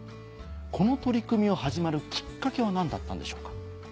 この取り組みが始まるきっかけは何だったんでしょうか？